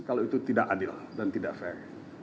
kalau itu tidak adil dan tidak fair